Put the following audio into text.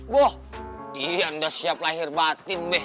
wah iya udah siap lahir batin be